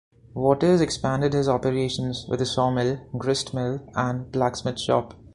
Waters expanded his operations with a sawmill, gristmill and blacksmith shop.